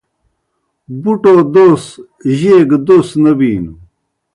بُٹو دوس جیئے گہ دوس نہ بِینوْ